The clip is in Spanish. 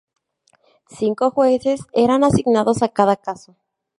Cinco jueces eran asignados a cada caso.